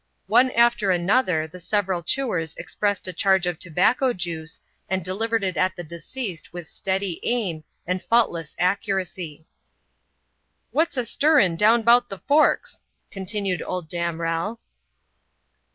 One after another the several chewers expressed a charge of tobacco juice and delivered it at the deceased with steady, aim and faultless accuracy. "What's a stirrin', down 'bout the Forks?" continued Old Damrell.